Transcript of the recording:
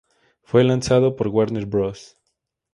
Fue lanzado por Warner Bros.